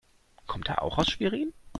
Kommt er auch aus Schwerin?